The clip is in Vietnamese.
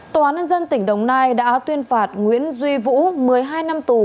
tòa án nhân dân tỉnh đồng nai đã tuyên phạt nguyễn duy vũ một mươi hai năm tù